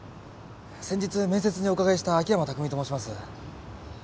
先日面接にお伺いした秋山拓水と申します。